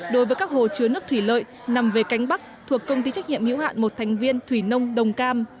đối với các hồ chứa nước thủy lợi nằm về cánh bắc thuộc công ty trách nhiệm hữu hạn một thành viên thủy nông đồng cam